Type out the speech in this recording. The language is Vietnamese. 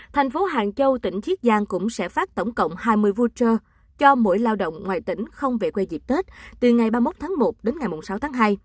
thành phố hàng châu tỉnh chiết giang cũng sẽ phát tổng cộng hai mươi vui chơi cho mỗi lao động ngoài tỉnh không về quê dịp tết từ ngày ba mươi một tháng một đến ngày sáu tháng hai